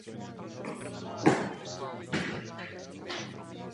Zabýval se také revizí klavírních výtahů Smetanových oper.